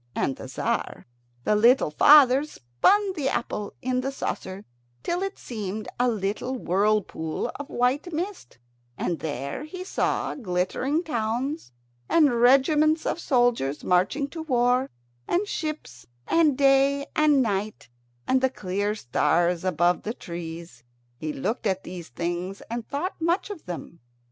And the Tzar, the little father, spun the apple in the saucer till it seemed a little whirlpool of white mist, and there he saw glittering towns, and regiments of soldiers marching to war, and ships, and day and night, and the clear stars above the trees. He looked at these things and thought much of them.